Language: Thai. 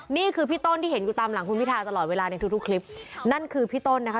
นี่คือพี่ต้นที่เห็นอยู่ตามหลังคุณพิทาตลอดเวลาในทุกทุกคลิปนั่นคือพี่ต้นนะคะ